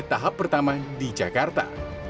tahap pertama di jakarta